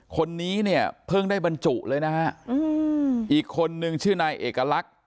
คนนี้เนี่ยเพิ่งได้บรรจุเลยนะฮะอีกคนนึงชื่อนายเอกลักษณ์